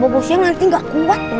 aku akan teringat janji